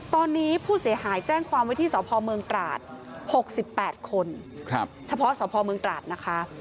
ตอนนี้ผู้เสียหายแจ้งความไว้ที่สพเมืองตราด๖๘คนเฉพาะสพเมืองตราดนะคะ